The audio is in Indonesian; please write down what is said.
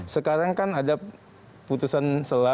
sekarang kan ada putusan sela